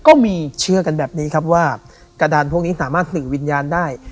ก็มีเชื่อกันแบบนี้ครับว่ากระดานพวกนี้สามารถสื่อวิญญาณได้